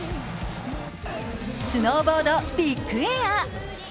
スノーボード・ビッグエア。